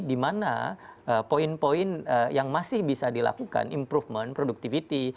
di mana poin poin yang masih bisa dilakukan improvement productivity dan juga keuntungan